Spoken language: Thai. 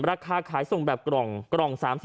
ราคาขายส่งแบบกล่อง๓๐